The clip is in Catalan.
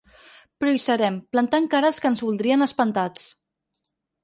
Però hi serem, plantant cara als que ens voldrien espantats.